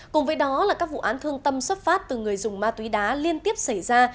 cùng với đó là các vụ án thương tâm xuất phát từ người dùng ma túy đá liên tiếp xảy ra